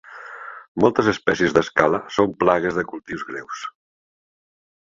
Moltes espècies d'escala són plagues de cultius greus.